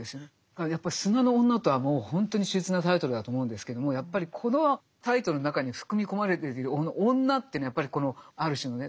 だからやっぱ「砂の女」とはもうほんとに秀逸なタイトルだと思うんですけどもやっぱりこのタイトルの中に含み込まれている「女」っていうのはやっぱりある種のね